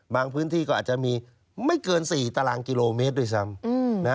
พื้นที่ก็อาจจะมีไม่เกิน๔ตารางกิโลเมตรด้วยซ้ำ